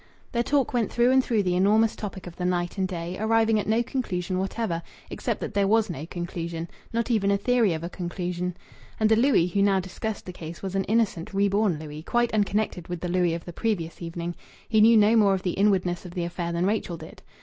Their talk went through and through the enormous topic of the night and day, arriving at no conclusion whatever, except that there was no conclusion not even a theory of a conclusion. (And the Louis who now discussed the case was an innocent, reborn Louis, quite unconnected with the Louis of the previous evening; he knew no more of the inwardness of the affair than Rachel did.